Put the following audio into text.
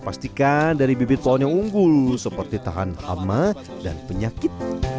pastikan dari bibit pohon yang unggul seperti tahan hama dan penyakit